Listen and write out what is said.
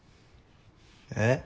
えっ？